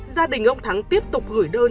gia đình ông thắng tiếp tục gửi đơn